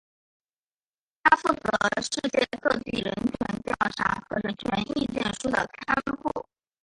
它负责世界各地人权调查和人权意见书的刊布。